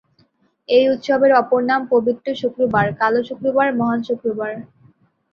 এই উৎসবের অপর নাম "পবিত্র শুক্রবার", "কালো শুক্রবার", "মহান শুক্রবার"।